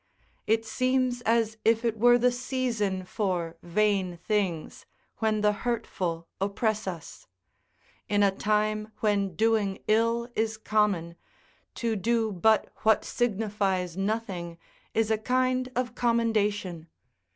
It seems as if it were the season for vain things, when the hurtful oppress us; in a time when doing ill is common, to do but what signifies nothing is a kind of commendation.